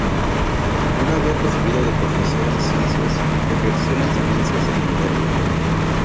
Una vez recibido de profesor en ciencias, ejerció la enseñanza secundaria.